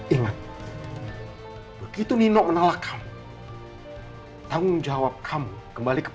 ingat begitu nino menalakan tanggung jawab kamu kembali ke